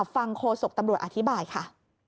โคศกตำรวจอธิบายค่ะ